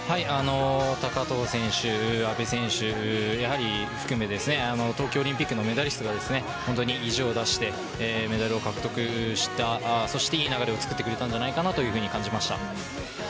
高藤選手、阿部選手含めて東京オリンピックのメダリストが意地を出してメダルを獲得したそしていい流れを作ってくれたと感じました。